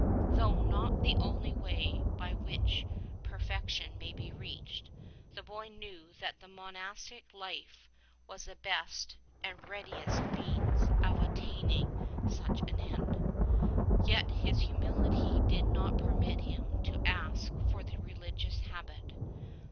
Though not the only way by which perfec tion may be reached, the boy knew that the monastic life was the best and readiest means of attaining such an end. Yet his humility did not permit him to ask for the religious habit.